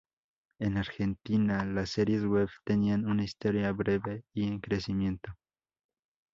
En Argentina, las series web tienen una historia breve, y en crecimiento.